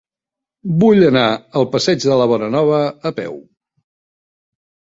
Vull anar al passeig de la Bonanova a peu.